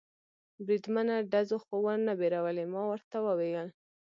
بریدمنه، ډزو خو و نه بیرولې؟ ما ورته وویل.